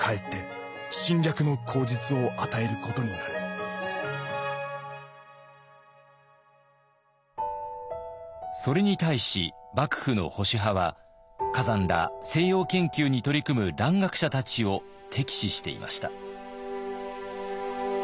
世界の現状から見てそれに対し幕府の保守派は崋山ら西洋研究に取り組む蘭学者たちを敵視していました。